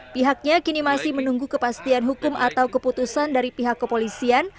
pihaknya kini masih menunggu kepastian hukum atau keputusan dari pihak kepolisian